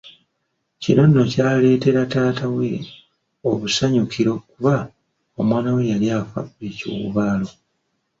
Kino nno ky’aleeteera taata we obusanyukiro kuba omwana we yali afa ekiwuubaalo.